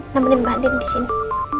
namin mbak andin di sini